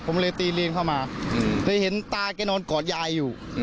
ผมเลยตีเรียนเข้ามาเลยเห็นตาแกนอนกอดยายอยู่